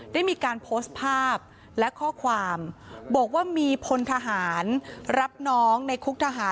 ได้มีการโพสต์ภาพและข้อความบอกว่ามีพลทหารรับน้องในคุกทหาร